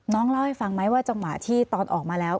เล่าให้ฟังไหมว่าจังหวะที่ตอนออกมาแล้ว